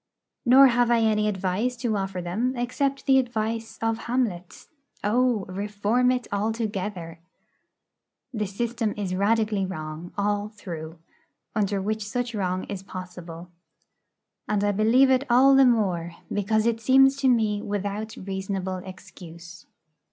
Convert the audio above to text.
Nor have I any advice to offer them except the advice of Hamlet: 'O, reform it altogether.' The system is radically wrong, all through, under which such wrong is possible. And I believe it all the more because it seems to me without reasonable excuse.